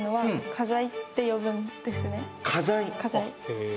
花材。